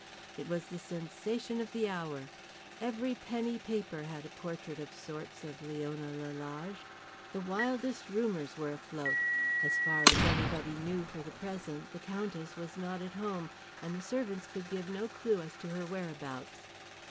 It was the sensation of the hour. Every penny paper had a portrait of sorts of Leona Lalage. The wildest rumours were afloat. As far as anybody knew for the present, the Countess was not at home, and the servants could give no clue as to her whereabouts.